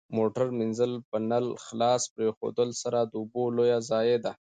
د موټر مینځل په نل خلاص پرېښودلو سره د اوبو لوی ضایع ده.